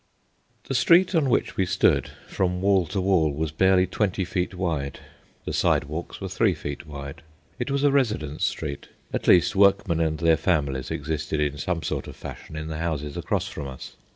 The street on which we stood, from wall to wall, was barely twenty feet wide. The sidewalks were three feet wide. It was a residence street. At least workmen and their families existed in some sort of fashion in the houses across from us.